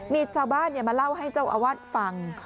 มีชาวบ้านมาเล่าให้เจ้าอาวาสฟัง